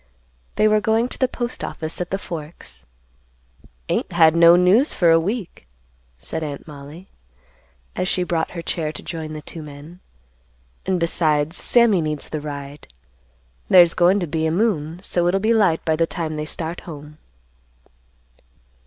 They were going to the Postoffice at the Forks. "Ain't had no news for a week," said Aunt Mollie, as she brought her chair to join the two men. "And besides, Sammy needs the ride. There's goin' to be a moon, so it'll be light by the time they start home."